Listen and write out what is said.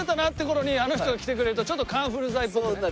頃にあの人が来てくれるとちょっとカンフル剤っぽくね。